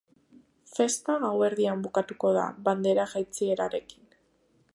Festa gauerdian bukatuko da, bandera jaitsierarekin.